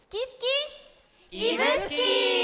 いぶすき！